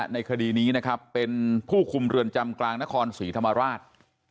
ในคดีนี้นะครับเป็นผู้คุมเรือนจำกลางนครศรีธรรมราช